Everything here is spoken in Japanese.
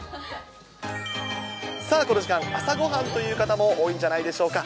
さあ、この時間、朝ごはんという方も多いんじゃないでしょうか。